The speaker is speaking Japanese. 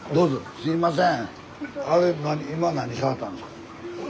すいません。